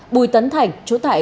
bùi tấn thành chú tại